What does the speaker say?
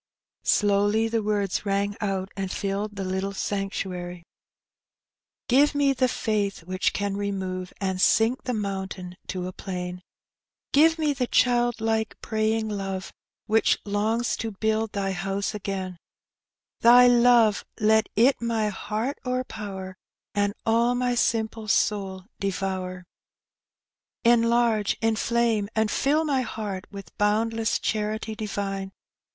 Slowly the words rang out, and filled the little sanctuary —" Give me the faith which can remove And sink the mountain to a plain; Give me the child like praying love Which longs to build Thy house again; Thy love, let it my heart overpower, And all my simple soul devour. "Enlarge, inflame, and fill my heart With boundless charity divine!